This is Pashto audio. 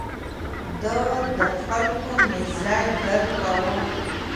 ده د خلکو مزاج درک کاوه.